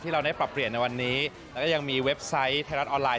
เราได้ปรับเปลี่ยนในวันนี้แล้วก็ยังมีเว็บไซต์ไทยรัฐออนไลน